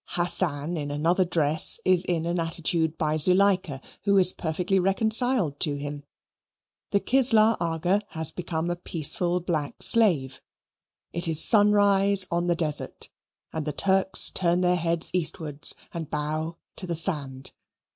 Hassan, in another dress, is in an attitude by Zuleikah, who is perfectly reconciled to him. The Kislar Aga has become a peaceful black slave. It is sunrise on the desert, and the Turks turn their heads eastwards and bow to the sand.